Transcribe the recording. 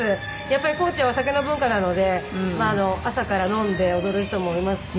やっぱり高知はお酒の文化なので朝から飲んで踊る人もしますし。